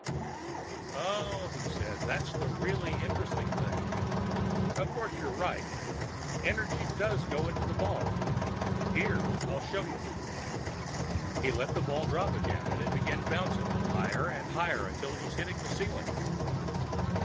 "Oh," he said, "that's the really interesting thing. Of course you're right; energy does go into the ball. Here, I'll show you." He let the ball drop again and it began bouncing, higher and higher, until it was hitting the ceiling.